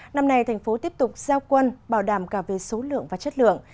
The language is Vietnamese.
năm nay thành phố tiếp tục giao quân bảo đảm cả về số lượng và chất lượng